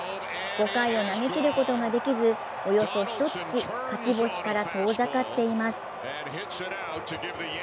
５回を投げ切ることができずおよそひとつき勝ち星から遠ざかっています。